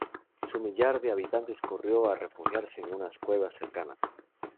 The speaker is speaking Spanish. Su millar de habitantes corrió a refugiarse en unas cuevas cercanas.